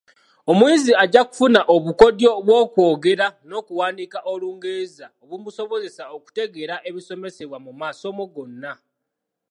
Omuyizi ajja okufuna obukodyo bw’okwogera n’okuwandiika olungereza obumusobozesa okutegeera ebisomesebwa mu masomo gonna.